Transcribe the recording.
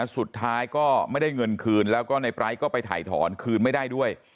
สุดท้ายก็ไม่ได้เงินคืนแล้วก็ในไร้ก็ไปถ่ายถอนคืนไม่ได้ด้วย